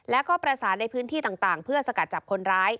แล้วก็ประสานในพื้นที่ต่างเพื่อสกัดจับคนร้าย